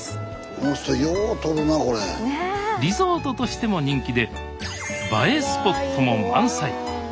リゾートとしても人気で映えスポットも満載！